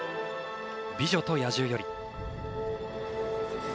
「美女と野獣」より。